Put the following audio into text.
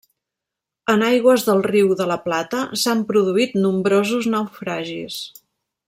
En aigües del Riu de la Plata s'han produït nombrosos naufragis.